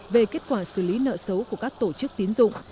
về kết quả xử lý nợ xấu của các tổ chức tiến dụng